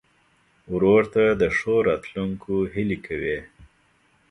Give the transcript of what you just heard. ورور ته د ښو راتلونکو هیلې کوې.